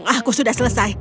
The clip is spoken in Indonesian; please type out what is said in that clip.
aku sudah selesai